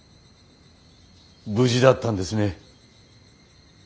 無事だったんですね。